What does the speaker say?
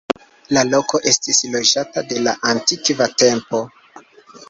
La loko estis loĝata de la antikva tempo.